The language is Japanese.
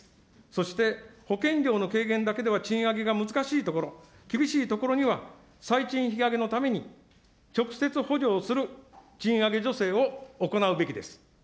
そして、保険料の軽減だけでは賃上げが難しいところ、厳しいところには、最賃引き上げのために直接補助をする、賃上げ助成を行うべきです。